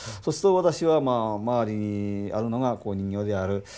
そうすると私はまあ周りにあるのが人形である。